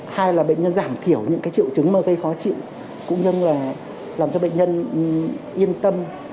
hay là bệnh nhân giảm thiểu những cái triệu chứng mơ cây khó chịu cũng như là làm cho bệnh nhân yên tâm